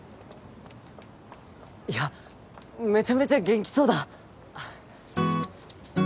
いやめちゃめちゃ元気そうだ。